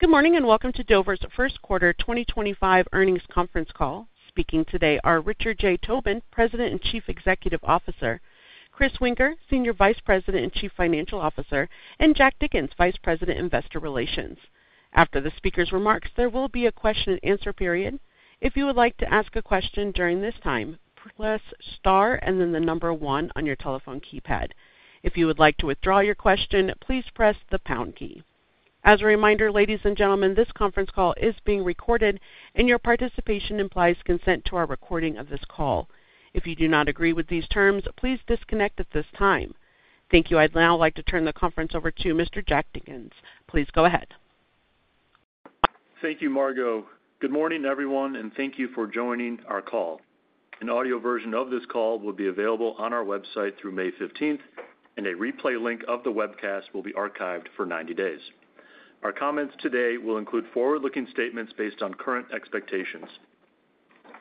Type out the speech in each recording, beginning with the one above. Good morning and welcome to Dover's first quarter 2025 earnings conference call. Speaking today are Richard J. Tobin, President and Chief Executive Officer; Chris Woenker, Senior Vice President and Chief Financial Officer; and Jack Dickens, Vice President, Investor Relations. After the speaker's remarks, there will be a question-and-answer period. If you would like to ask a question during this time, press star and then the number one on your telephone keypad. If you would like to withdraw your question, please press the pound key. As a reminder, ladies and gentlemen, this conference call is being recorded, and your participation implies consent to our recording of this call. If you do not agree with these terms, please disconnect at this time. Thank you. I'd now like to turn the conference over to Mr. Jack Dickens. Please go ahead. Thank you, Margo. Good morning, everyone, and thank you for joining our call. An audio version of this call will be available on our website through May 15th, and a replay link of the webcast will be archived for 90 days. Our comments today will include forward-looking statements based on current expectations.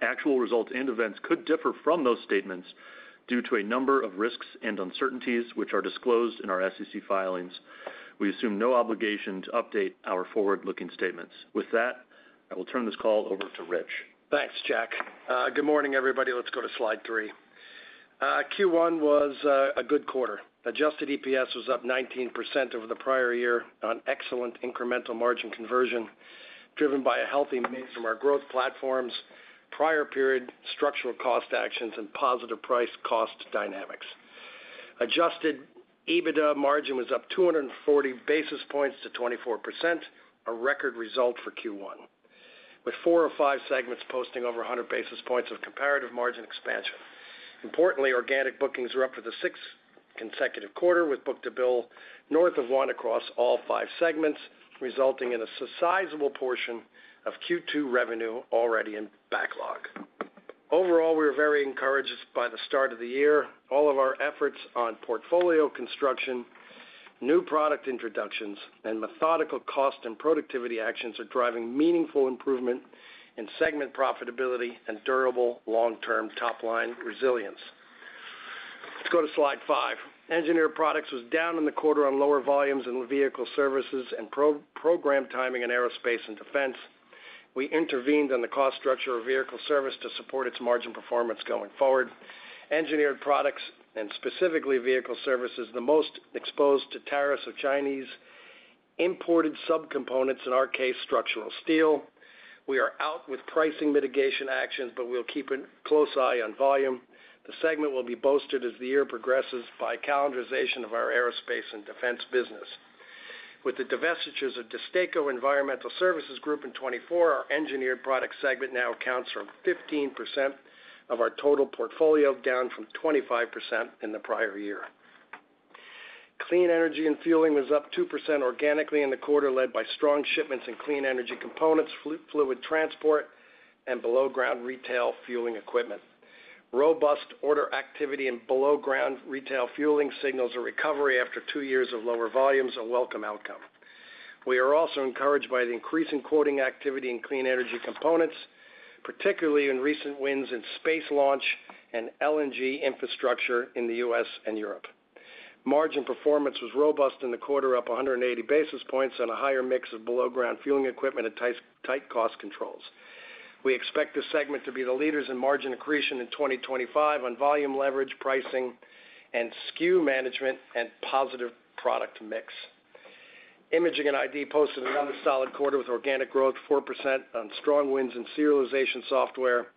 Actual results and events could differ from those statements due to a number of risks and uncertainties which are disclosed in our SEC filings. We assume no obligation to update our forward-looking statements. With that, I will turn this call over to Rich. Thanks, Jack. Good morning, everybody. Let's go to slide three. Q1 was a good quarter. Adjusted EPS was up 19% over the prior year on excellent incremental margin conversion driven by a healthy mix from our growth platforms, prior period structural cost actions, and positive price-cost dynamics. Adjusted EBITDA margin was up 240 basis points to 24%, a record result for Q1, with four of five segments posting over 100 basis points of comparative margin expansion. Importantly, organic bookings were up for the sixth consecutive quarter, with book-to-bill north of one across all five segments, resulting in a sizable portion of Q2 revenue already in backlog. Overall, we are very encouraged by the start of the year. All of our efforts on portfolio construction, new product introductions, and methodical cost and productivity actions are driving meaningful improvement in segment profitability and durable long-term top-line resilience. Let's go to slide five. Engineered Products was down in the quarter on lower volumes in Vehicle Services and program timing in aerospace and defense. We intervened on the cost structure of Vehicle Services to support its margin performance going forward. Engineered Products, and specifically Vehicle Services, are the most exposed to tariffs of Chinese imported subcomponents, in our case, structural steel. We are out with pricing mitigation actions, but we will keep a close eye on volume. The segment will be bolstered as the year progresses by calendarization of our aerospace and defense business. With the divestitures of DESTACO and Environmental Solutions Group in 2024, our Engineered Products segment now accounts for 15% of our total portfolio, down from 25% in the prior year. Clean Energy & Fueling was up 2% organically in the quarter, led by strong shipments in clean energy components, fluid transport, and below-ground retail fueling equipment. Robust order activity in below-ground retail fueling signals a recovery after two years of lower volumes, a welcome outcome. We are also encouraged by the increasing quoting activity in clean energy components, particularly in recent wins in space launch and LNG infrastructure in the U.S. and Europe. Margin performance was robust in the quarter, up 180 basis points on a higher mix of below-ground fueling equipment and tight cost controls. We expect this segment to be the leaders in margin accretion in 2025 on volume leverage, pricing, and SKU management and positive product mix. Imaging and ID posted another solid quarter with organic growth, 4% on strong wins in serialization software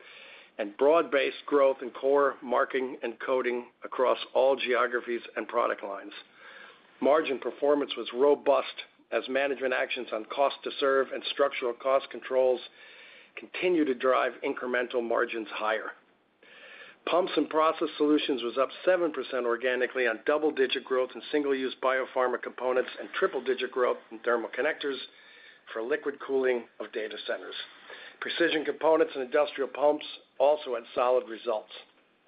and broad-based growth in core marking and coding across all geographies and product lines. Margin performance was robust as management actions on cost to serve and structural cost controls continue to drive incremental margins higher. Pumps & Process Solutions was up 7% organically on double-digit growth in single-use biopharma components and triple-digit growth in thermal connectors for liquid cooling of data centers. Precision Components and industrial pumps also had solid results.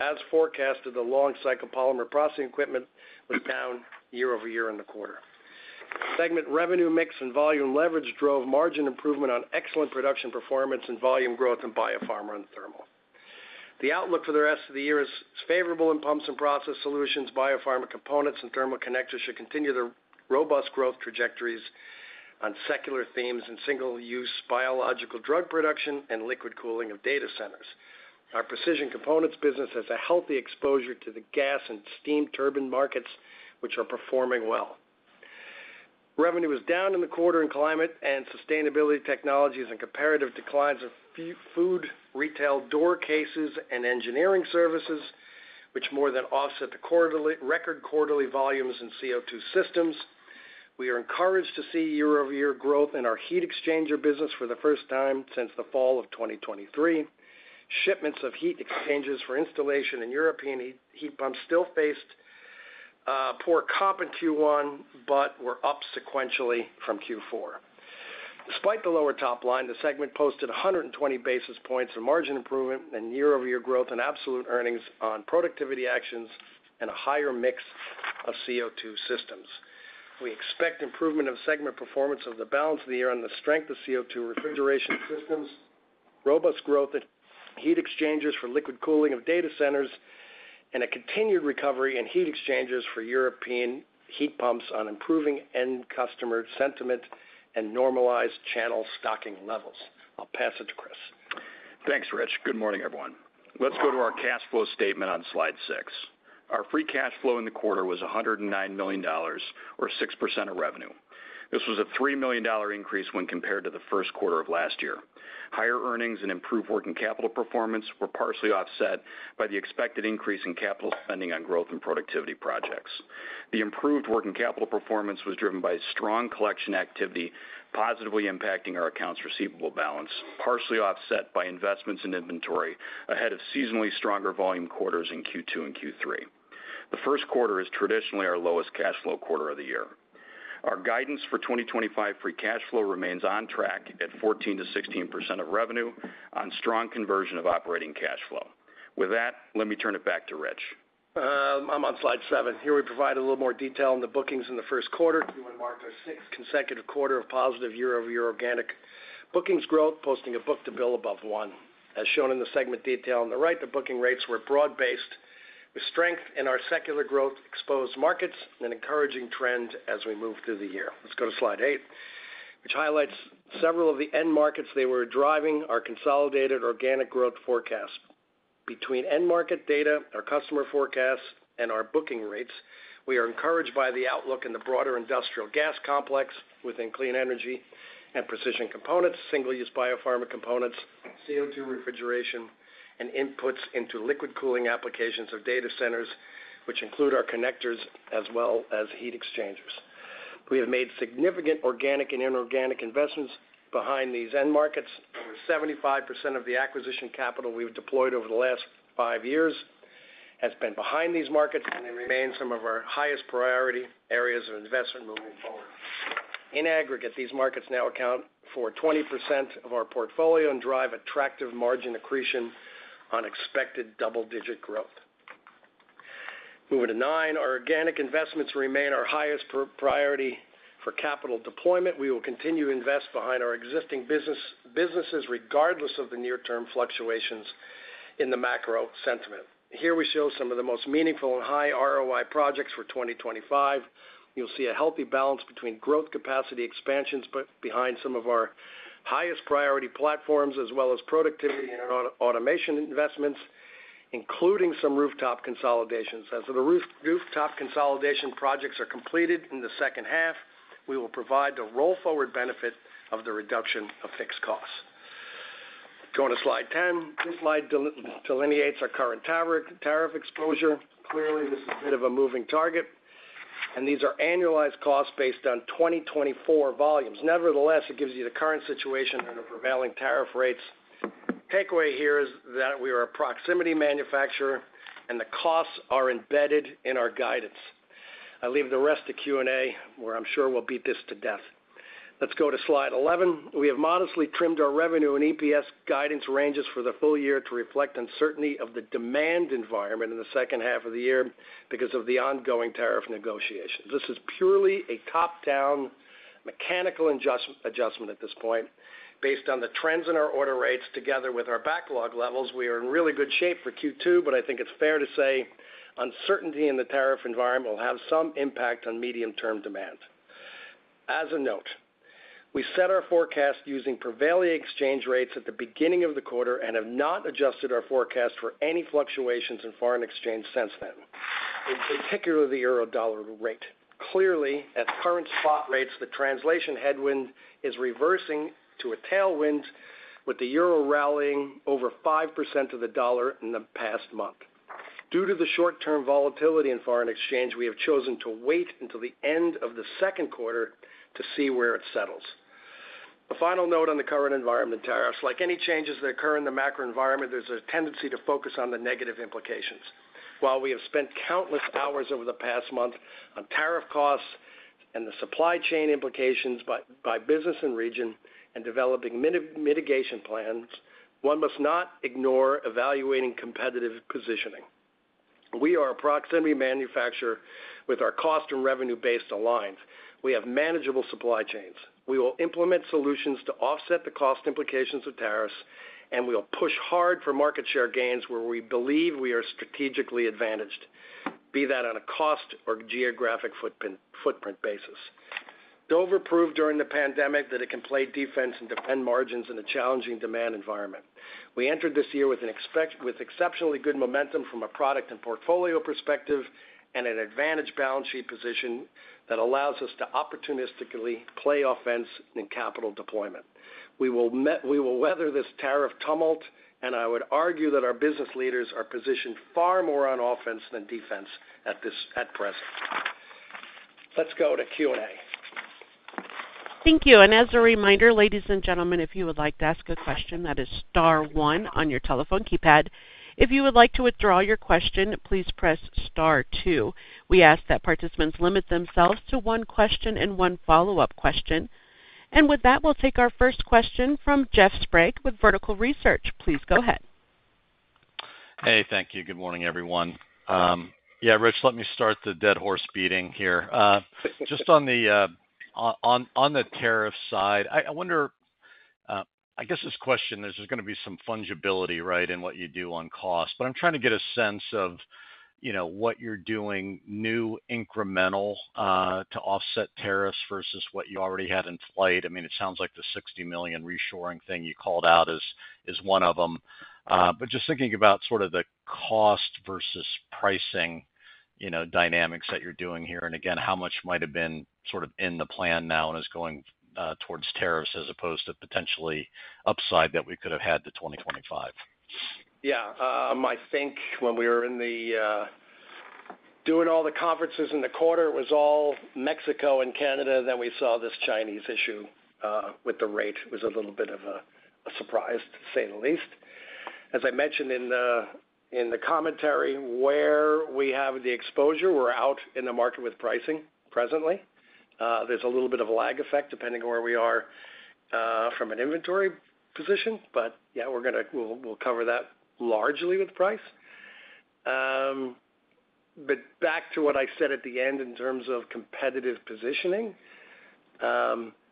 As forecasted, the long-cycle polymer processing equipment was down year-over-year in the quarter. Segment revenue mix and volume leverage drove margin improvement on excellent production performance and volume growth in biopharma and thermal. The outlook for the rest of the year is favorable in Pumps & Process Solutions, biopharma components, and thermal connectors should continue their robust growth trajectories on secular themes and single-use biological drug production and liquid cooling of data centers. Our precision components business has a healthy exposure to the gas and steam turbine markets, which are performing well. Revenue was down in the quarter in Climate & Sustainability Technologies and comparative declines of food retail door cases and engineering services, which more than offset the record quarterly volumes in CO2 systems. We are encouraged to see year-over-year growth in our heat exchanger business for the first time since the fall of 2023. Shipments of heat exchangers for installation in European heat pumps still faced poor COP in Q1, but were up sequentially from Q4. Despite the lower top line, the segment posted 120 basis points of margin improvement and year-over-year growth in absolute earnings on productivity actions and a higher mix of CO2 systems. We expect improvement of segment performance of the balance of the year on the strength of CO2 refrigeration systems, robust growth in heat exchangers for liquid cooling of data centers, and a continued recovery in heat exchangers for European heat pumps on improving end-customer sentiment and normalized channel stocking levels. I'll pass it to Chris. Thanks, Rich. Good morning, everyone. Let's go to our cash flow statement on slide six. Our free cash flow in the quarter was $109 million, or 6% of revenue. This was a $3 million increase when compared to the first quarter of last year. Higher earnings and improved working capital performance were partially offset by the expected increase in capital spending on growth and productivity projects. The improved working capital performance was driven by strong collection activity, positively impacting our accounts receivable balance, partially offset by investments in inventory ahead of seasonally stronger volume quarters in Q2 and Q3. The first quarter is traditionally our lowest cash flow quarter of the year. Our guidance for 2025 free cash flow remains on track at 14%-16% of revenue on strong conversion of operating cash flow. With that, let me turn it back to Rich. I'm on slide seven. Here we provide a little more detail on the bookings in the first quarter. Q1 marked our sixth consecutive quarter of positive year-over-year organic bookings growth, posting a book-to-bill above one. As shown in the segment detail on the right, the booking rates were broad-based with strength in our secular growth, exposed markets, and an encouraging trend as we move through the year. Let's go to slide eight, which highlights several of the end markets that were driving our consolidated organic growth forecast. Between end market data, our customer forecasts, and our booking rates, we are encouraged by the outlook in the broader industrial gas complex within clean energy and precision components, single-use biopharma components, CO2 refrigeration, and inputs into liquid cooling applications of data centers, which include our connectors as well as heat exchangers. We have made significant organic and inorganic investments behind these end markets. Over 75% of the acquisition capital we've deployed over the last five years has been behind these markets and remains some of our highest priority areas of investment moving forward. In aggregate, these markets now account for 20% of our portfolio and drive attractive margin accretion on expected double-digit growth. Moving to nine, our organic investments remain our highest priority for capital deployment. We will continue to invest behind our existing businesses regardless of the near-term fluctuations in the macro sentiment. Here we show some of the most meaningful and high ROI projects for 2025. You'll see a healthy balance between growth capacity expansions behind some of our highest priority platforms, as well as productivity and automation investments, including some rooftop consolidations. As the rooftop consolidation projects are completed in the second half, we will provide the roll-forward benefit of the reduction of fixed costs. Going to slide ten, this slide delineates our current tariff exposure. Clearly, this is a bit of a moving target, and these are annualized costs based on 2024 volumes. Nevertheless, it gives you the current situation and the prevailing tariff rates. Takeaway here is that we are a proximity manufacturer, and the costs are embedded in our guidance. I leave the rest to Q&A, where I'm sure we'll beat this to death. Let's go to slide 11. We have modestly trimmed our revenue and EPS guidance ranges for the full year to reflect uncertainty of the demand environment in the second half of the year because of the ongoing tariff negotiations. This is purely a top-down mechanical adjustment at this point. Based on the trends in our order rates together with our backlog levels, we are in really good shape for Q2, but I think it's fair to say uncertainty in the tariff environment will have some impact on medium-term demand. As a note, we set our forecast using prevailing exchange rates at the beginning of the quarter and have not adjusted our forecast for any fluctuations in foreign exchange since then, particularly the euro/dollar rate. Clearly, at current spot rates, the translation headwind is reversing to a tailwind, with the euro rallying over 5% against the dollar in the past month. Due to the short-term volatility in foreign exchange, we have chosen to wait until the end of the second quarter to see where it settles. A final note on the current environment tariffs. Like any changes that occur in the macro environment, there's a tendency to focus on the negative implications. While we have spent countless hours over the past month on tariff costs and the supply chain implications by business and region and developing mitigation plans, one must not ignore evaluating competitive positioning. We are a proximity manufacturer with our cost and revenue base aligned. We have manageable supply chains. We will implement solutions to offset the cost implications of tariffs, and we'll push hard for market share gains where we believe we are strategically advantaged, be that on a cost or geographic footprint basis. Dover proved during the pandemic that it can play defense and defend margins in a challenging demand environment. We entered this year with exceptionally good momentum from a product and portfolio perspective and an advantaged balance sheet position that allows us to opportunistically play offense in capital deployment. We will weather this tariff tumult, and I would argue that our business leaders are positioned far more on offense than defense at present. Let's go to Q&A. Thank you. As a reminder, ladies and gentlemen, if you would like to ask a question, that is star one on your telephone keypad. If you would like to withdraw your question, please press star two. We ask that participants limit themselves to one question and one follow-up question. With that, we will take our first question from Jeff Sprague with Vertical Research. Please go ahead. Hey, thank you. Good morning, everyone. Yeah, Rich, let me start the dead horse beating here. Just on the tariff side, I wonder, I guess this question, there's going to be some fungibility, right, in what you do on cost. But I'm trying to get a sense of what you're doing new incremental to offset tariffs versus what you already had in flight. I mean, it sounds like the $60 million reshoring thing you called out is one of them. Just thinking about sort of the cost versus pricing dynamics that you're doing here, and again, how much might have been sort of in the plan now and is going towards tariffs as opposed to potentially upside that we could have had to 2025. Yeah. I think when we were doing all the conferences in the quarter, it was all Mexico and Canada, then we saw this Chinese issue with the rate. It was a little bit of a surprise, to say the least. As I mentioned in the commentary, where we have the exposure, we're out in the market with pricing presently. There's a little bit of a lag effect depending on where we are from an inventory position. Yeah, we'll cover that largely with price. Back to what I said at the end in terms of competitive positioning,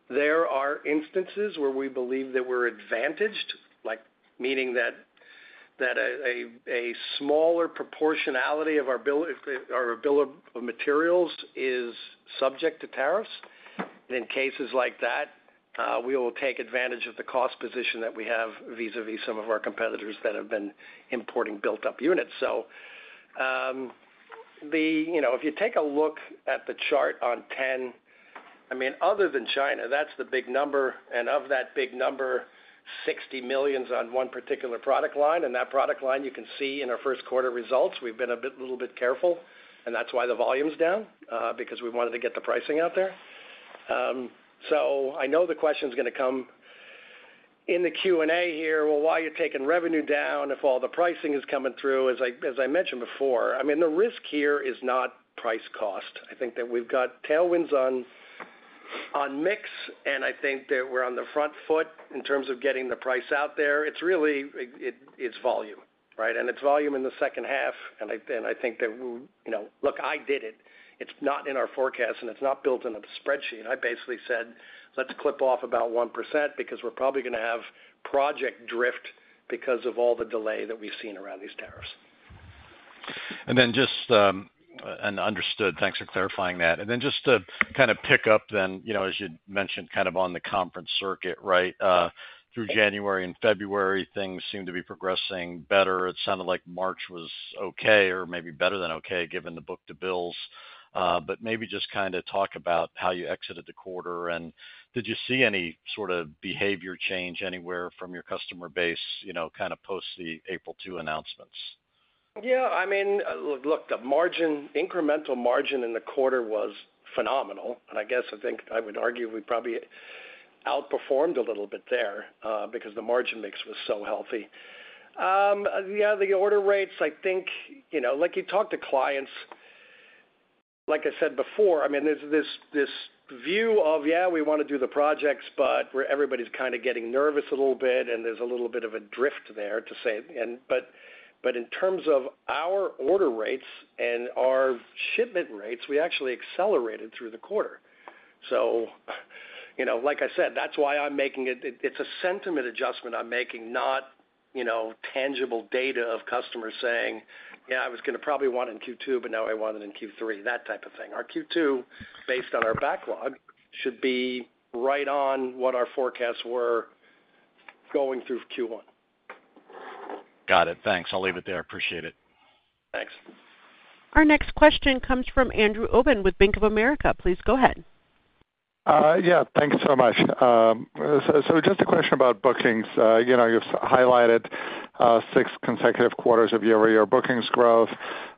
there are instances where we believe that we're advantaged, meaning that a smaller proportionality of our bill of materials is subject to tariffs. In cases like that, we will take advantage of the cost position that we have vis-à-vis some of our competitors that have been importing built-up units. If you take a look at the chart on 10, I mean, other than China, that's the big number. And of that big number, $60 million is on one particular product line. That product line, you can see in our first quarter results, we've been a little bit careful. That's why the volume's down, because we wanted to get the pricing out there. I know the question's going to come in the Q&A here, well, why are you taking revenue down if all the pricing is coming through, as I mentioned before? I mean, the risk here is not price cost. I think that we've got tailwinds on mix, and I think that we're on the front foot in terms of getting the price out there. It's volume, right? It's volume in the second half. I think that, look, I did it. It's not in our forecast, and it's not built into the spreadsheet. I basically said, let's clip off about 1% because we're probably going to have project drift because of all the delay that we've seen around these tariffs. Thanks for clarifying that. Just to kind of pick up then, as you mentioned, kind of on the conference circuit, right? Through January and February, things seem to be progressing better. It sounded like March was okay, or maybe better than okay, given the book-to-bills. Maybe just kind of talk about how you exited the quarter. Did you see any sort of behavior change anywhere from your customer base kind of post the April 2 announcements? Yeah. I mean, look, the incremental margin in the quarter was phenomenal. I guess I think I would argue we probably outperformed a little bit there because the margin mix was so healthy. Yeah, the order rates, I think, like you talk to clients, like I said before, I mean, there's this view of, yeah, we want to do the projects, but everybody's kind of getting nervous a little bit, and there's a little bit of a drift there, to say. In terms of our order rates and our shipment rates, we actually accelerated through the quarter. Like I said, that's why I'm making it, it's a sentiment adjustment I'm making, not tangible data of customers saying, yeah, I was going to probably want it in Q2, but now I want it in Q3, that type of thing. Our Q2, based on our backlog, should be right on what our forecasts were going through Q1. Got it. Thanks. I'll leave it there. Appreciate it. Thanks. Our next question comes from Andrew Obin with Bank of America. Please go ahead. Yeah, thanks so much. Just a question about bookings. You've highlighted six consecutive quarters of year-over-year bookings growth.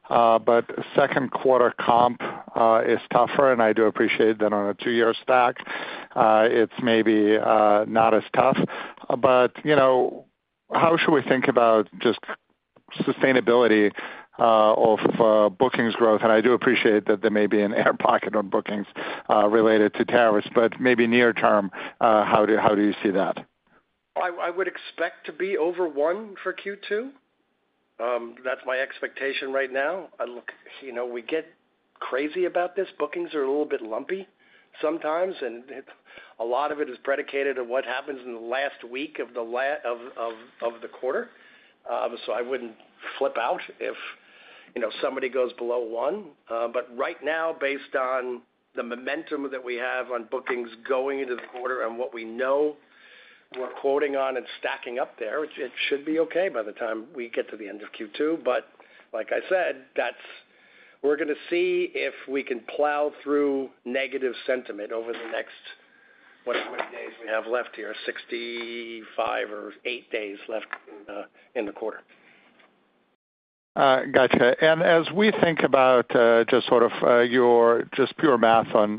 The second quarter comp is tougher, and I do appreciate that on a two-year stack, it's maybe not as tough. How should we think about just sustainability of bookings growth? I do appreciate that there may be an air pocket on bookings related to tariffs, but maybe near term, how do you see that? I would expect to be over one for Q2. That's my expectation right now. Look, we get crazy about this. Bookings are a little bit lumpy sometimes, and a lot of it is predicated on what happens in the last week of the quarter. I wouldn't flip out if somebody goes below one. Right now, based on the momentum that we have on bookings going into the quarter and what we know we're quoting on and stacking up there, it should be okay by the time we get to the end of Q2. Like I said, we're going to see if we can plow through negative sentiment over the next whatever many days we have left here, 65 or eight days left in the quarter. Gotcha. As we think about just sort of your just pure math on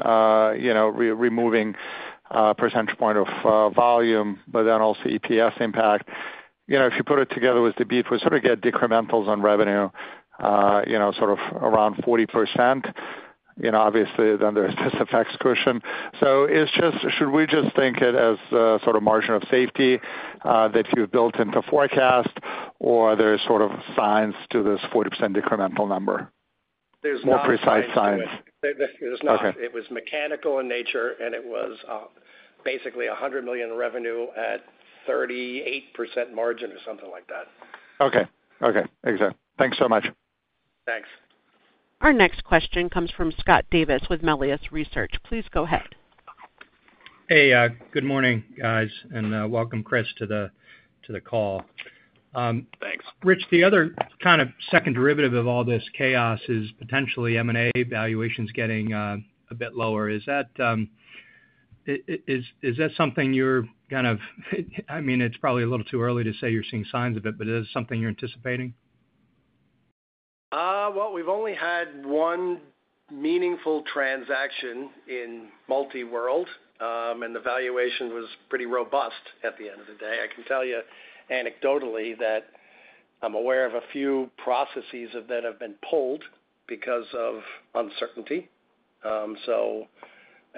removing percentage point of volume, but then also EPS impact, if you put it together with the beef, we sort of get decrementals on revenue, sort of around 40%. Obviously, then there is this effects cushion. Should we just think it as sort of margin of safety that you have built into forecast, or there is sort of signs to this 40% decremental number? There's not. More precise signs. It was mechanical in nature, and it was basically $100 million revenue at 38% margin or something like that. Okay. Okay. Exactly. Thanks so much. Thanks. Our next question comes from Scott Davis with Melius Research. Please go ahead. Hey, good morning, guys, and welcome, Chris, to the call. Thanks. Rich, the other kind of second derivative of all this chaos is potentially M&A valuations getting a bit lower. Is that something you're kind of, I mean, it's probably a little too early to say you're seeing signs of it, but is it something you're anticipating? We've only had one meaningful transaction in multi-world, and the valuation was pretty robust at the end of the day. I can tell you anecdotally that I'm aware of a few processes that have been pulled because of uncertainty.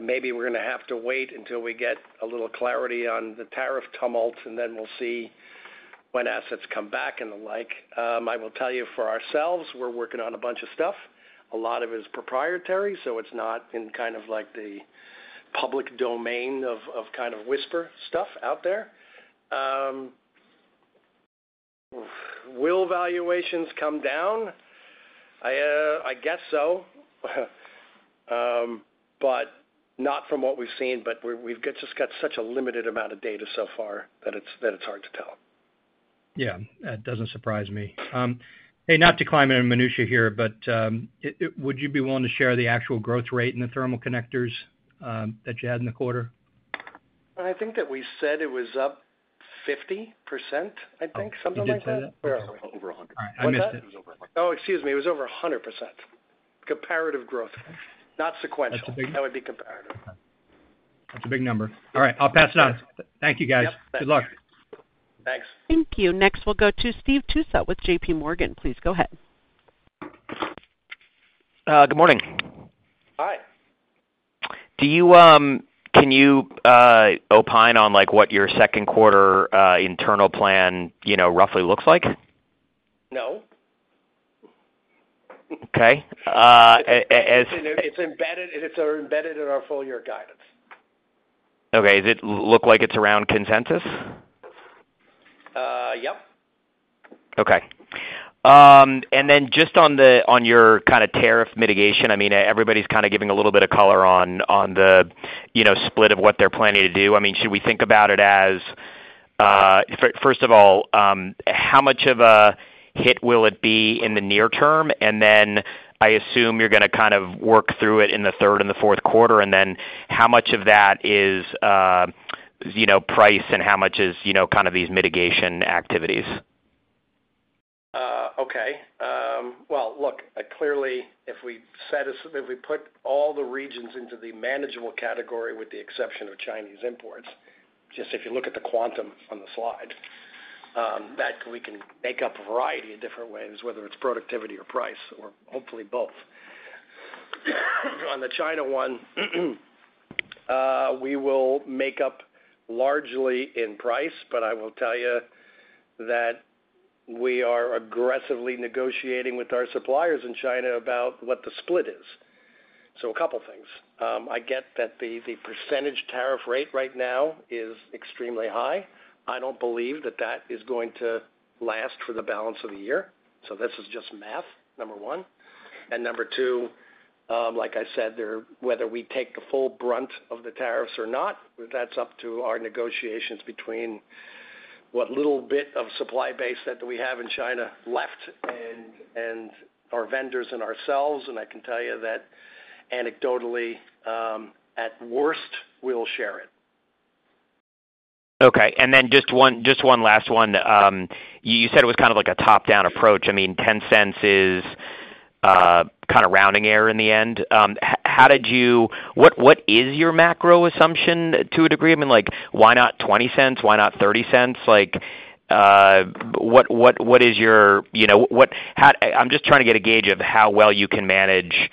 Maybe we're going to have to wait until we get a little clarity on the tariff tumult, and then we'll see when assets come back and the like. I will tell you for ourselves, we're working on a bunch of stuff. A lot of it is proprietary, so it's not in kind of like the public domain of kind of whisper stuff out there. Will valuations come down? I guess so. Not from what we've seen, but we've just got such a limited amount of data so far that it's hard to tell. Yeah. That does not surprise me. Hey, not to climb in a minutiae here, but would you be willing to share the actual growth rate in the thermal connectors that you had in the quarter? I think that we said it was up 50%, I think, something like that. I didn't say that. Over 100%. Oh, excuse me. It was over 100%. Comparative growth, not sequential. That would be comparative. That's a big number. All right. I'll pass it on. Thank you, guys. Good luck. Thanks. Thank you. Next, we'll go to Steve Tusa with JPMorgan. Please go ahead. Good morning. Hi. Can you opine on what your second quarter internal plan roughly looks like? No. Okay. It's embedded in our full-year guidance. Okay. Does it look like it's around consensus? Yep. Okay. Just on your kind of tariff mitigation, I mean, everybody's kind of giving a little bit of color on the split of what they're planning to do. I mean, should we think about it as, first of all, how much of a hit will it be in the near term? I assume you're going to kind of work through it in the third and the fourth quarter. How much of that is price and how much is kind of these mitigation activities? Okay. Look, clearly, if we put all the regions into the manageable category with the exception of Chinese imports, just if you look at the quantum on the slide, we can make up a variety of different ways, whether it's productivity or price or hopefully both. On the China one, we will make up largely in price, but I will tell you that we are aggressively negotiating with our suppliers in China about what the split is. A couple of things. I get that the percentage tariff rate right now is extremely high. I do not believe that that is going to last for the balance of the year. This is just math, number one. Number two, like I said, whether we take the full brunt of the tariffs or not, that is up to our negotiations between what little bit of supply base that we have in China left and our vendors and ourselves. I can tell you that anecdotally, at worst, we will share it. Okay. Just one last one. You said it was kind of like a top-down approach. I mean, $0.10 is kind of rounding error in the end. What is your macro assumption to a degree? I mean, why not $0.20? Why not $0.30? What is your—I am just trying to get a gauge of how well you can manage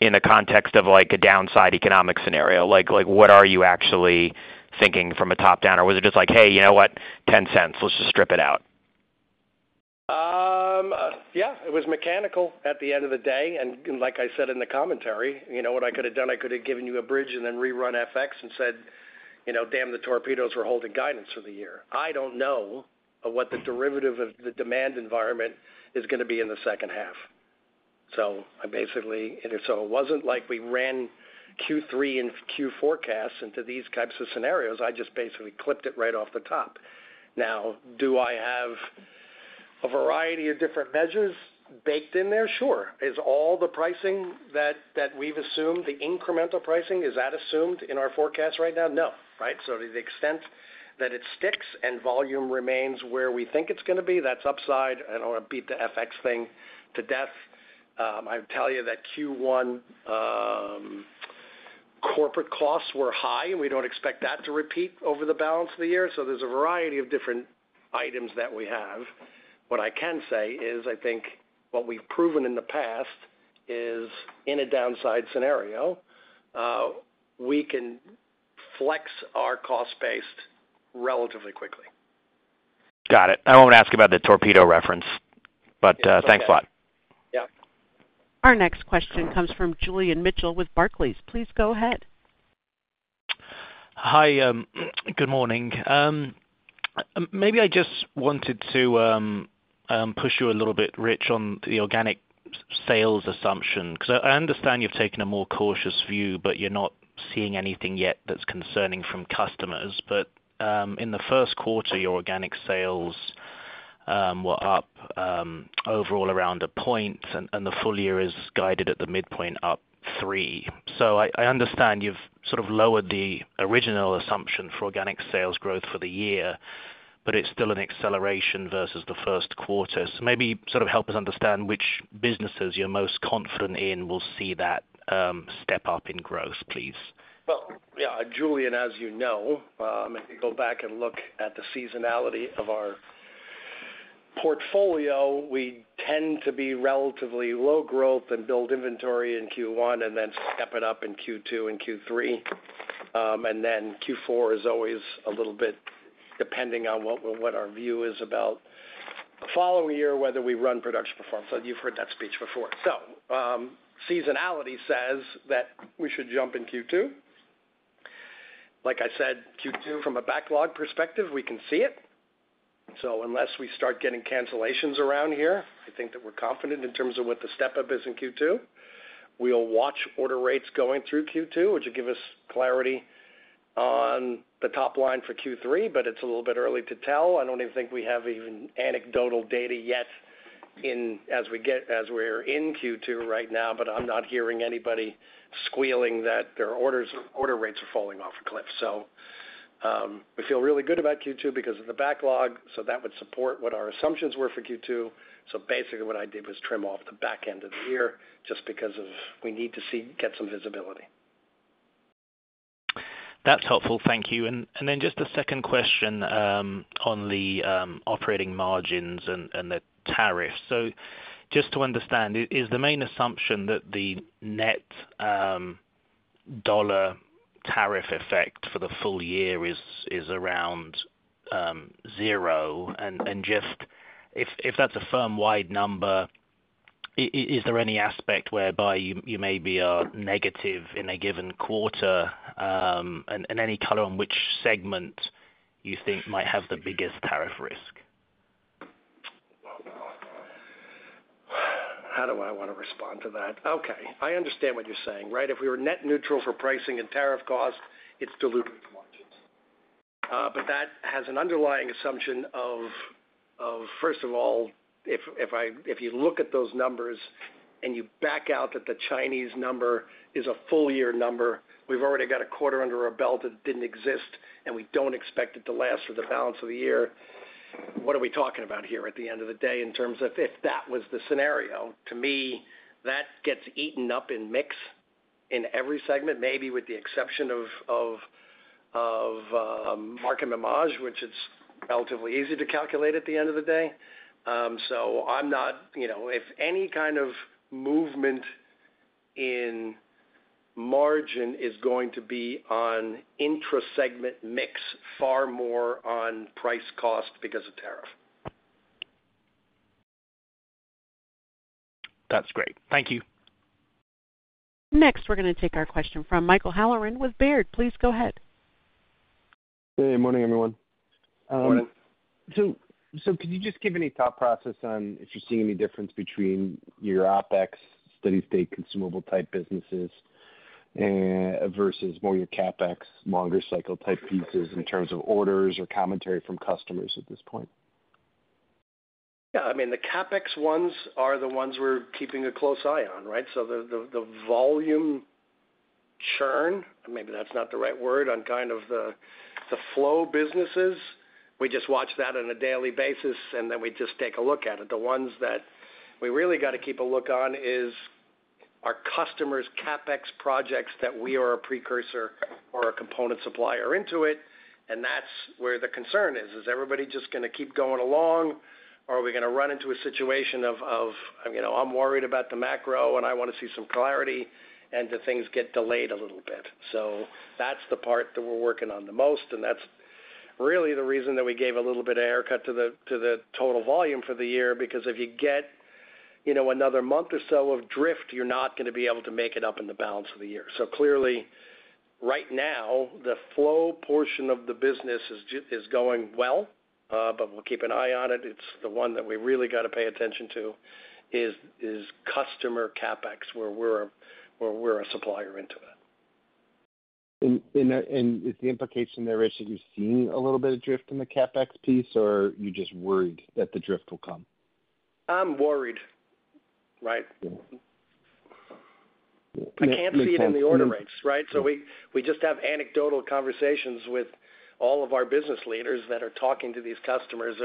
in the context of a downside economic scenario. What are you actually thinking from a top-down? Or was it just like, "Hey, you know what? $0.10. Let's just strip it out"? Yeah. It was mechanical at the end of the day. Like I said in the commentary, what I could have done, I could have given you a bridge and then rerun FX and said, "Damn, the torpedoes were holding guidance for the year." I do not know what the derivative of the demand environment is going to be in the second half. It was not like we ran Q3 and Q4 casts into these types of scenarios. I just basically clipped it right off the top. Now, do I have a variety of different measures baked in there? Sure. Is all the pricing that we have assumed, the incremental pricing, is that assumed in our forecast right now? No. Right? To the extent that it sticks and volume remains where we think it is going to be, that is upside. I do not want to beat the FX thing to death. I would tell you that Q1 corporate costs were high, and we do not expect that to repeat over the balance of the year. There is a variety of different items that we have. What I can say is, I think what we have proven in the past is in a downside scenario, we can flex our cost base relatively quickly. Got it. I won't ask about the torpedo reference, but thanks a lot. Yeah. Our next question comes from Julian Mitchell with Barclays. Please go ahead. Hi. Good morning. Maybe I just wanted to push you a little bit, Rich, on the organic sales assumption. Because I understand you've taken a more cautious view, but you're not seeing anything yet that's concerning from customers. In the first quarter, your organic sales were up overall around a point, and the full year is guided at the midpoint up 3%. I understand you've sort of lowered the original assumption for organic sales growth for the year, but it's still an acceleration versus the first quarter. Maybe help us understand which businesses you're most confident in will see that step up in growth, please. Julian, as you know, if you go back and look at the seasonality of our portfolio, we tend to be relatively low growth and build inventory in Q1 and then step it up in Q2 and Q3. Q4 is always a little bit depending on what our view is about the following year, whether we run production performance. You have heard that speech before. Seasonality says that we should jump in Q2. Like I said, Q2, from a backlog perspective, we can see it. Unless we start getting cancellations around here, I think that we are confident in terms of what the step-up is in Q2. We will watch order rates going through Q2, which will give us clarity on the top line for Q3, but it is a little bit early to tell. I do not even think we have even anecdotal data yet as we are in Q2 right now, but I am not hearing anybody squealing that their order rates are falling off a cliff. We feel really good about Q2 because of the backlog. That would support what our assumptions were for Q2. Basically, what I did was trim off the back end of the year just because we need to get some visibility. That's helpful. Thank you. Just a second question on the operating margins and the tariffs. Just to understand, is the main assumption that the net dollar tariff effect for the full year is around zero? Just if that's a firm-wide number, is there any aspect whereby you maybe are negative in a given quarter? Any color on which segment you think might have the biggest tariff risk? How do I want to respond to that? Okay. I understand what you're saying, right? If we were net neutral for pricing and tariff cost, it's diluted margins. That has an underlying assumption of, first of all, if you look at those numbers and you back out that the Chinese number is a full-year number, we've already got a quarter under our belt that didn't exist, and we don't expect it to last for the balance of the year. What are we talking about here at the end of the day in terms of if that was the scenario? To me, that gets eaten up in mix in every segment, maybe with the exception of market mismatch, which it's relatively easy to calculate at the end of the day. I'm not if any kind of movement in margin is going to be on intrasegment mix, far more on price cost because of tariff. That's great. Thank you. Next, we're going to take our question from Michael Halloran with Baird. Please go ahead. Good morning, everyone. Good morning. Could you just give any thought process on if you're seeing any difference between your OpEx, steady-state consumable-type businesses, versus more your CapEx, longer-cycle type pieces in terms of orders or commentary from customers at this point? Yeah. I mean, the CapEx ones are the ones we're keeping a close eye on, right? The volume churn, maybe that's not the right word, on kind of the flow businesses. We just watch that on a daily basis, and then we just take a look at it. The ones that we really got to keep a look on is our customers' CapEx projects that we are a precursor or a component supplier into it. That is where the concern is. Is everybody just going to keep going along, or are we going to run into a situation of, "I'm worried about the macro, and I want to see some clarity," and the things get delayed a little bit? That is the part that we're working on the most. That's really the reason that we gave a little bit of haircut to the total volume for the year, because if you get another month or so of drift, you're not going to be able to make it up in the balance of the year. Clearly, right now, the flow portion of the business is going well, but we'll keep an eye on it. The one that we really got to pay attention to is customer CapExX, where we're a supplier into it. Is the implication there, Rich, that you're seeing a little bit of drift in the CapEx piece, or you're just worried that the drift will come? I'm worried. Right. I can't see it in the order rates, right? We just have anecdotal conversations with all of our business leaders that are talking to these customers,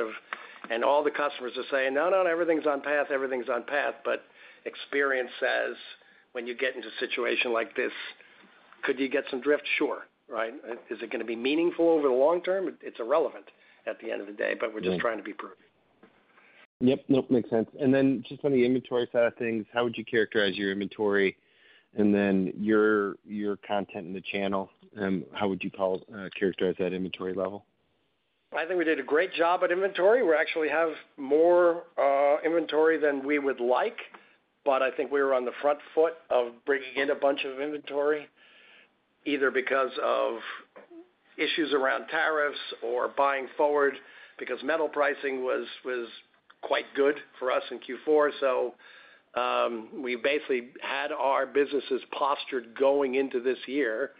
and all the customers are saying, "No, no, everything's on path. Everything's on path." Experience says, when you get into a situation like this, could you get some drift? Sure. Right? Is it going to be meaningful over the long term? It's irrelevant at the end of the day, but we're just trying to be prudent. Yep. Nope. Makes sense. Just on the inventory side of things, how would you characterize your inventory? Your content in the channel, how would you characterize that inventory level? I think we did a great job at inventory. We actually have more inventory than we would like, but I think we were on the front foot of bringing in a bunch of inventory, either because of issues around tariffs or buying forward, because metal pricing was quite good for us in Q4. We basically had our businesses postured going into this year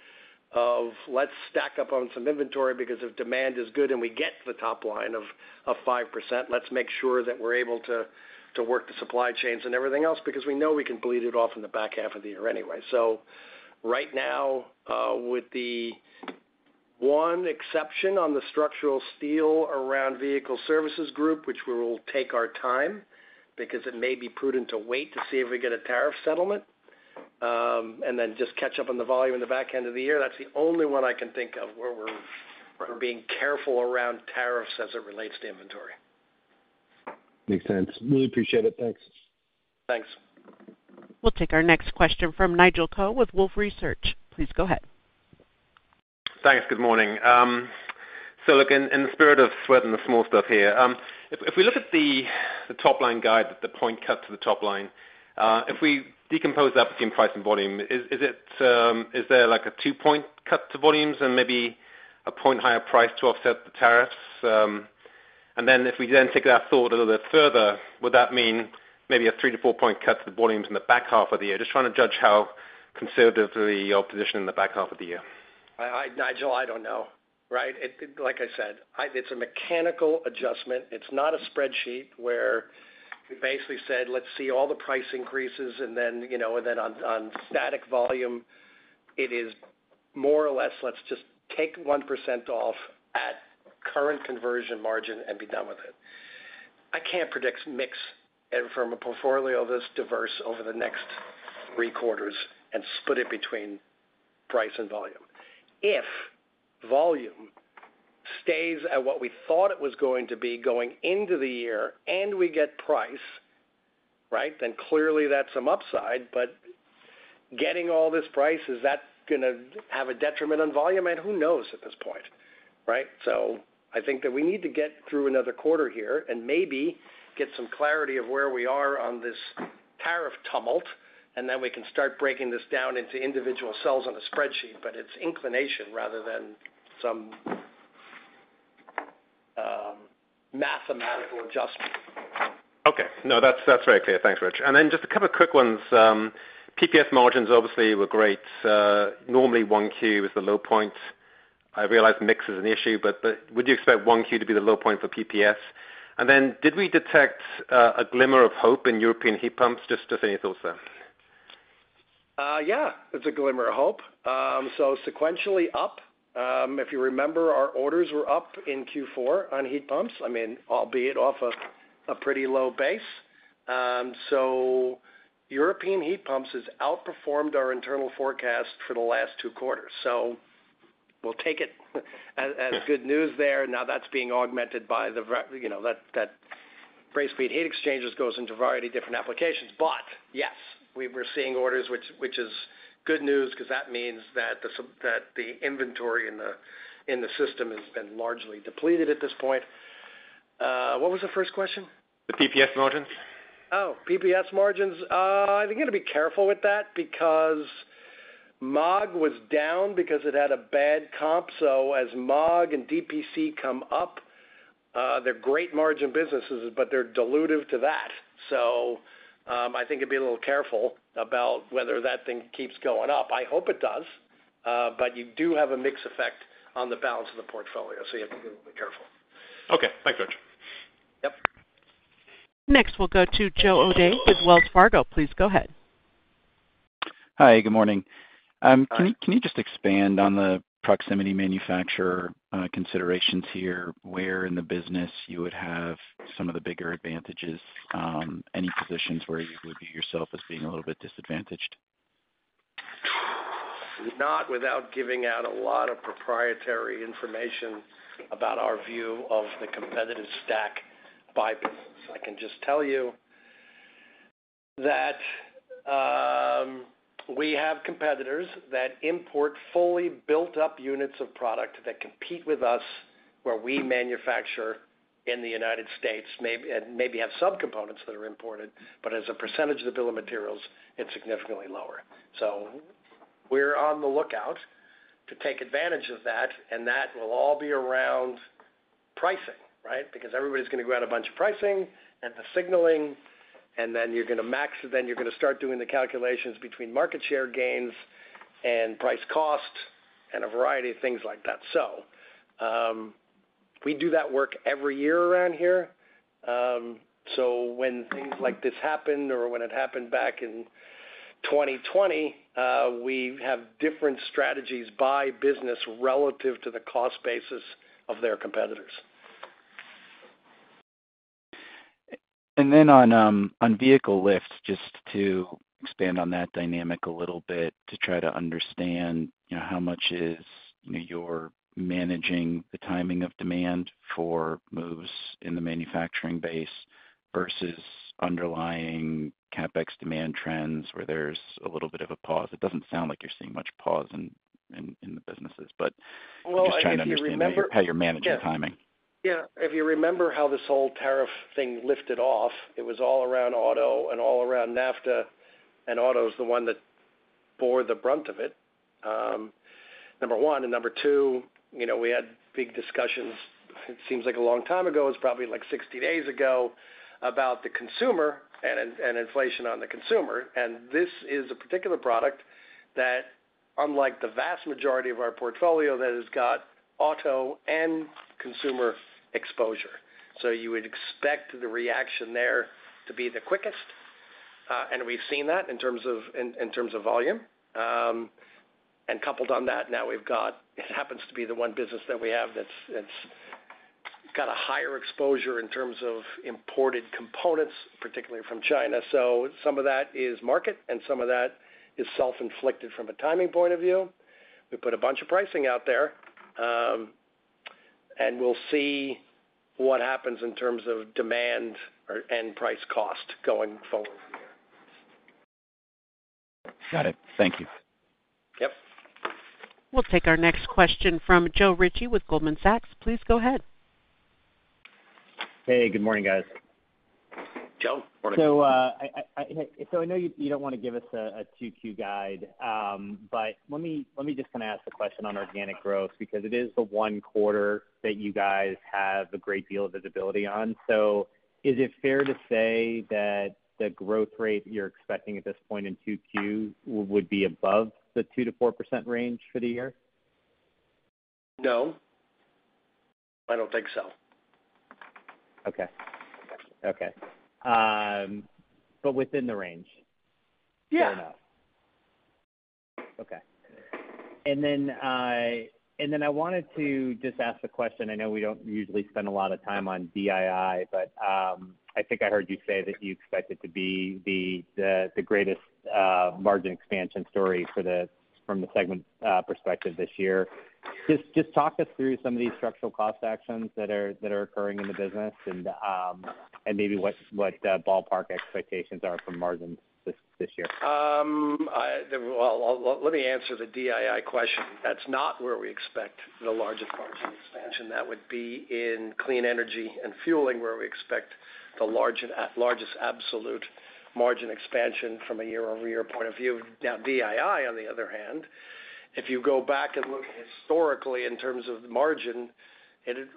of, "Let's stack up on some inventory because if demand is good and we get the top line of 5%, let's make sure that we're able to work the supply chains and everything else," because we know we can bleed it off in the back half of the year anyway. Right now, with the one exception on the structural steel around Vehicle Services Group, which we will take our time because it may be prudent to wait to see if we get a tariff settlement and then just catch up on the volume in the back end of the year, that's the only one I can think of where we're being careful around tariffs as it relates to inventory. Makes sense. Really appreciate it. Thanks. Thanks. We'll take our next question from Nigel Coe with Wolfe Research. Please go ahead. Thanks. Good morning. In the spirit of sweating the small stuff here, if we look at the top-line guide, the point cut to the top line, if we decompose that between price and volume, is there a two-point cut to volumes and maybe a point higher price to offset the tariffs? If we then take that thought a little bit further, would that mean maybe a three to four-point cut to the volumes in the back half of the year? Just trying to judge how conservatively you're positioned in the back half of the year. Nigel, I don't know. Right? Like I said, it's a mechanical adjustment. It's not a spreadsheet where we basically said, "Let's see all the price increases," and then on static volume, it is more or less, "Let's just take 1% off at current conversion margin and be done with it." I can't predict mix from a portfolio this diverse over the next three quarters and split it between price and volume. If volume stays at what we thought it was going to be going into the year and we get price, right, then clearly that's some upside. Getting all this price, is that going to have a detriment on volume? Who knows at this point? Right? I think that we need to get through another quarter here and maybe get some clarity of where we are on this tariff tumult, and then we can start breaking this down into individual cells on a spreadsheet, but it's inclination rather than some mathematical adjustment. Okay. No, that's very clear. Thanks, Rich. Just a couple of quick ones. PPS margins obviously were great. Normally, 1Q is the low point. I realize mix is an issue, but would you expect 1Q to be the low point for PPS? Did we detect a glimmer of hope in European heat pumps? Just any thoughts there? Yeah. It's a glimmer of hope. Sequentially up, if you remember, our orders were up in Q4 on heat pumps, I mean, albeit off a pretty low base. European heat pumps has outperformed our internal forecast for the last two quarters. We'll take it as good news there. Now, that's being augmented by the fact that brazed plate heat exchangers go into a variety of different applications. Yes, we were seeing orders, which is good news because that means that the inventory in the system has been largely depleted at this point. What was the first question? The PPS margins. Oh, PPS margins. I think you got to be careful with that because Maag was down because it had a bad comp. As Maag and DPC come up, they're great margin businesses, but they're dilutive to that. I think it'd be a little careful about whether that thing keeps going up. I hope it does, but you do have a mixed effect on the balance of the portfolio. You have to be a little bit careful. Okay. Thanks, Rich. Yep. Next, we'll go to Joe O'Dea with Wells Fargo. Please go ahead. Hi. Good morning. Can you just expand on the proximity manufacturer considerations here? Where in the business you would have some of the bigger advantages? Any positions where you would view yourself as being a little bit disadvantaged? Not without giving out a lot of proprietary information about our view of the competitive stack by business. I can just tell you that we have competitors that import fully built-up units of product that compete with us where we manufacture in the United States, and maybe have subcomponents that are imported, but as a percentage of the bill of materials, it is significantly lower. We are on the lookout to take advantage of that, and that will all be around pricing, right? Because everybody is going to go out a bunch of pricing and the signaling, and then you are going to max, then you are going to start doing the calculations between market share gains and price cost and a variety of things like that. We do that work every year around here. When things like this happened or when it happened back in 2020, we have different strategies by business relative to the cost basis of their competitors. On vehicle lift, just to expand on that dynamic a little bit to try to understand how much is you're managing the timing of demand for moves in the manufacturing base versus underlying CapEx demand trends where there's a little bit of a pause. It doesn't sound like you're seeing much pause in the businesses, but just trying to understand how you're managing timing. Yeah. If you remember how this whole tariff thing lifted off, it was all around auto and all around NAFTA, and auto is the one that bore the brunt of it, number one. Number two, we had big discussions, it seems like a long time ago, it's probably like 60 days ago, about the consumer and inflation on the consumer. This is a particular product that, unlike the vast majority of our portfolio, has got auto and consumer exposure. You would expect the reaction there to be the quickest, and we've seen that in terms of volume. Coupled on that, now we've got it happens to be the one business that we have that's got a higher exposure in terms of imported components, particularly from China. Some of that is market, and some of that is self-inflicted from a timing point of view. We put a bunch of pricing out there, and we'll see what happens in terms of demand and price cost going forward here. Got it. Thank you. Yep. We'll take our next question from Joe Ritchie with Goldman Sachs. Please go ahead. Hey. Good morning, guys. Joe. Morning. I know you don't want to give us a 2Q guide, but let me just kind of ask the question on organic growth because it is the one quarter that you guys have a great deal of visibility on. Is it fair to say that the growth rate you're expecting at this point in 2Q would be above the 2%-4% range for the year? No. I don't think so. Okay. Okay. Within the range? Yeah. Fair enough. Okay. I wanted to just ask a question. I know we do not usually spend a lot of time on DII, but I think I heard you say that you expect it to be the greatest margin expansion story from the segment perspective this year. Just talk us through some of these structural cost actions that are occurring in the business and maybe what ballpark expectations are for margins this year. Let me answer the DII question. That's not where we expect the largest margin expansion. That would be in clean energy and fueling where we expect the largest absolute margin expansion from a year-over-year point of view. Now, DII, on the other hand, if you go back and look historically in terms of margin,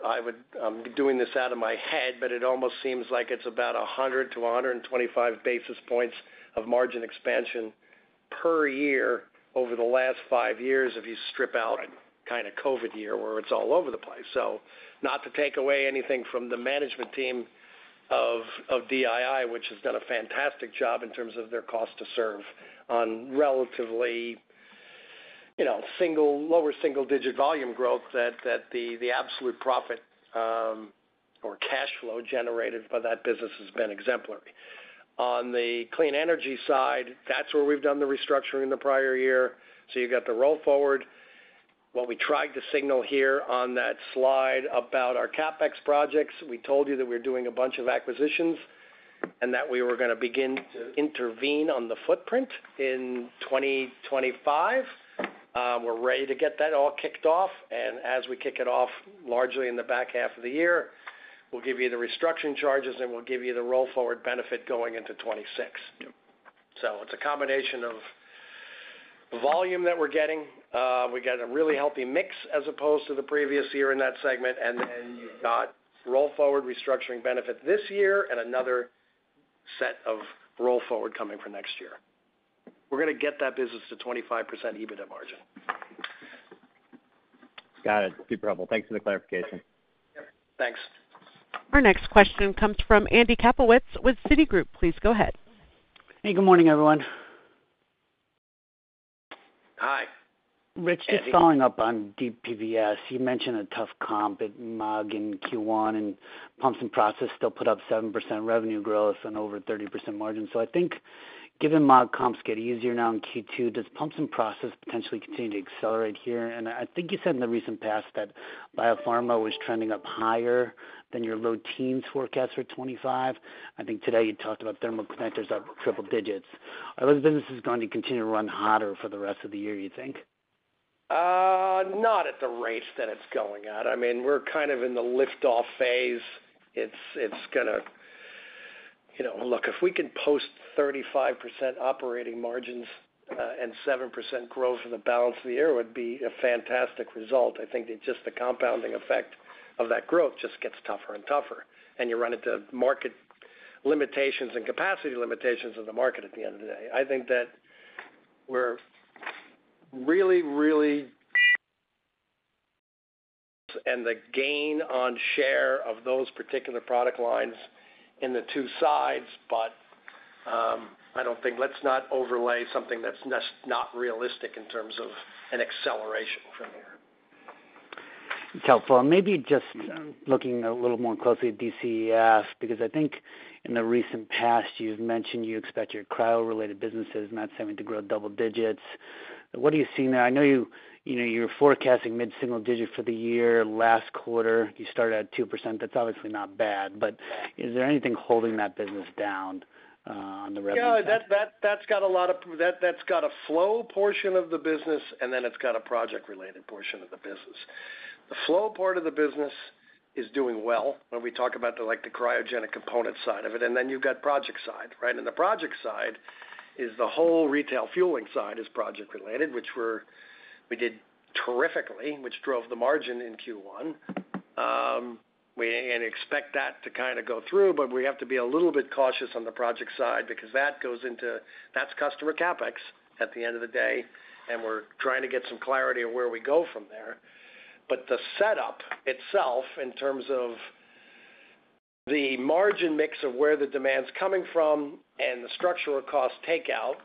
I'm doing this out of my head, but it almost seems like it's about 100-125 basis points of margin expansion per year over the last five years if you strip out kind of COVID year where it's all over the place. Not to take away anything from the management team of DII, which has done a fantastic job in terms of their cost to serve on relatively lower single-digit volume growth that the absolute profit or cash flow generated by that business has been exemplary. On the clean energy side, that's where we've done the restructuring the prior year. You have the roll forward. What we tried to signal here on that slide about our CapEx projects, we told you that we're doing a bunch of acquisitions and that we were going to begin to intervene on the footprint in 2025. We're ready to get that all kicked off. As we kick it off, largely in the back half of the year, we'll give you the restructuring charges, and we'll give you the roll forward benefit going into 2026. It is a combination of volume that we're getting. We got a really healthy mix as opposed to the previous year in that segment. You have roll forward restructuring benefit this year and another set of roll forward coming for next year. We're going to get that business to 25% EBITDA margin. Got it. Super helpful. Thanks for the clarification. Yep. Thanks. Our next question comes from Andy Kaplowitz with Citigroup. Please go ahead. Hey. Good morning, everyone. Hi. Rich is following up on DPPS. You mentioned a tough comp at Maag in Q1, and pumps and process still put up 7% revenue growth and over 30% margin. I think given Maag comps get easier now in Q2, does pumps and process potentially continue to accelerate here? I think you said in the recent past that biopharma was trending up higher than your low teens forecast for 2025. I think today you talked about thermal connectors up triple digits. Are those businesses going to continue to run hotter for the rest of the year, do you think? Not at the rate that it's going at. I mean, we're kind of in the lift-off phase. It's going to look, if we can post 35% operating margins and 7% growth in the balance of the year, it would be a fantastic result. I think just the compounding effect of that growth just gets tougher and tougher, and you run into market limitations and capacity limitations of the market at the end of the day. I think that we're really, really. The gain on share of those particular product lines in the two sides, but I don't think let's not overlay something that's not realistic in terms of an acceleration from here. It's helpful. Maybe just looking a little more closely at DCEF because I think in the recent past, you've mentioned you expect your cryo-related businesses not seeming to grow double digits. What are you seeing there? I know you were forecasting mid-single digit for the year. Last quarter, you started at 2%. That's obviously not bad, but is there anything holding that business down on the revenue? Yeah. That's got a lot of that's got a flow portion of the business, and then it's got a project-related portion of the business. The flow part of the business is doing well when we talk about the cryogenic component side of it, and then you've got project side, right? The project side is the whole retail fueling side is project-related, which we did terrifically, which drove the margin in Q1. We expect that to kind of go through, but we have to be a little bit cautious on the project side because that goes into that's customer CapEx at the end of the day, and we're trying to get some clarity of where we go from there. The setup itself in terms of the margin mix of where the demand's coming from and the structural cost takeout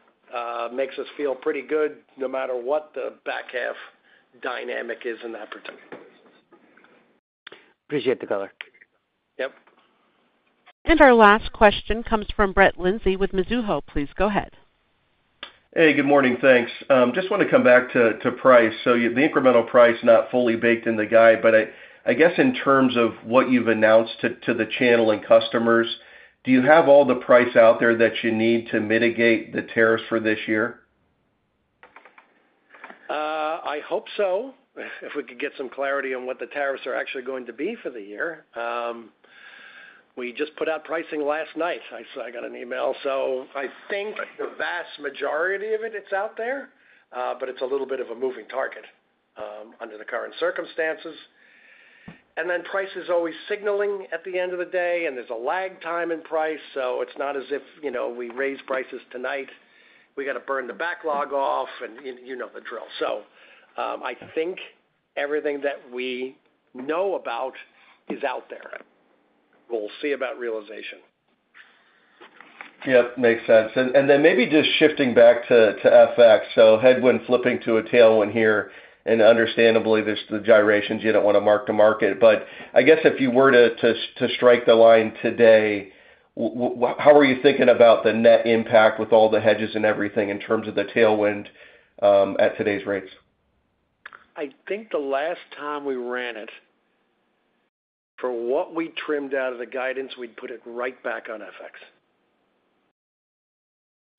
makes us feel pretty good no matter what the back half dynamic is in that particular business. Appreciate the color. Yep. Our last question comes from Brett Linzey with Mizuho. Please go ahead. Hey. Good morning. Thanks. Just want to come back to price. The incremental price not fully baked in the guide, but I guess in terms of what you've announced to the channel and customers, do you have all the price out there that you need to mitigate the tariffs for this year? I hope so. If we could get some clarity on what the tariffs are actually going to be for the year. We just put out pricing last night. I got an email. I think the vast majority of it, it's out there, but it's a little bit of a moving target under the current circumstances. Price is always signaling at the end of the day, and there's a lag time in price. It is not as if we raise prices tonight. We have to burn the backlog off and you know the drill. I think everything that we know about is out there. We will see about realization. Yep. Makes sense. Maybe just shifting back to FX. Headwind flipping to a tailwind here, and understandably, there's the gyrations. You do not want to mark to market. I guess if you were to strike the line today, how are you thinking about the net impact with all the hedges and everything in terms of the tailwind at today's rates? I think the last time we ran it, for what we trimmed out of the guidance, we'd put it right back on FX.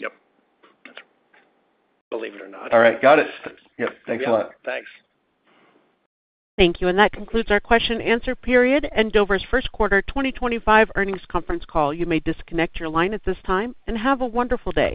Yep. Believe it or not. All right. Got it. Yep. Thanks a lot. Thanks. Thank you. That concludes our question-and-answer period and Dover's first quarter 2025 earnings conference call. You may disconnect your line at this time and have a wonderful day.